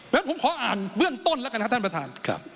งั้นผมขออ่านเบื้องต้นแล้วกันครับท่านประธาน